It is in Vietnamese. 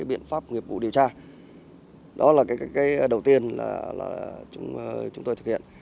biện pháp nghiệp vụ điều tra đó là cái đầu tiên là chúng tôi thực hiện